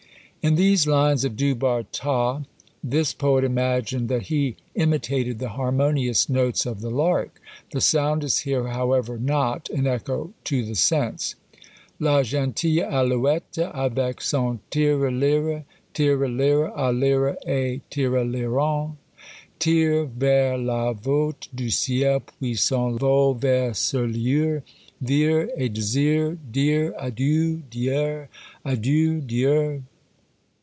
In these lines of Du Bartas, this poet imagined that he imitated the harmonious notes of the lark: "the sound" is here, however, not "an echo to the sense." La gentille aloüette, avec son tirelire, Tirelire, à lire, et tireliran, tire Vers la voute du ciel, puis son vol vers ce lieu, Vire et desire dire adieu Dieu, adieu Dieu.